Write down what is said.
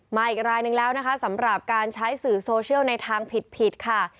อีกรายนึงแล้วนะคะสำหรับการใช้สื่อโซเชียลในทางผิดค่ะ